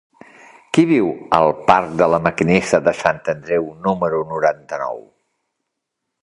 Qui viu al parc de La Maquinista de Sant Andreu número noranta-nou?